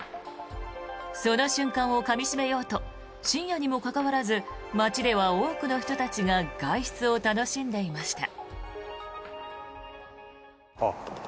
その瞬間をかみ締めようと深夜にもかかわらず街では多くの人たちが外出を楽しんでいました。